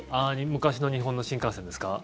昔の日本の新幹線ですか？